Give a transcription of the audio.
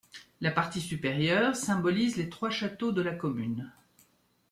La partie supérieure symbolise les trois châteaux de la commune.